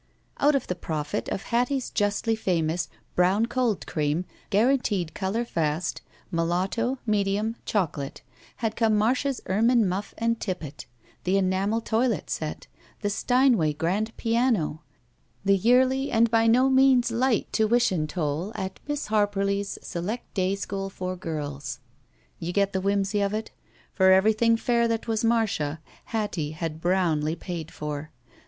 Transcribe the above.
Out of the profits of Hattie's justly famous Brown Cold Cream — Guaranteed Color fast — Mulatto, Medium, Chocolate, had come Marda's ermine muff and tippet; the enamd toilet set; the Steinway grand piano; the yearly and by no means light 146 THE SMUDGE tuition toll at Miss Harperly's Select Day School for Girls. You get the whimsy of it? For ever3rthing fair that was Marda, Hattie had brownly paid for.